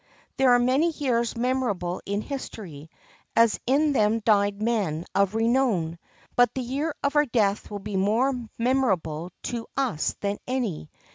There are many years memorable in history, as in them died men of renown; but the year of our death will be more memorable to us than any.